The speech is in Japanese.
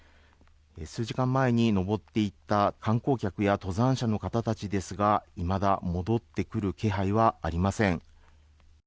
数時間前に登っていった観光客や登山者の方たちですがいまだ戻ってくる気配はありません。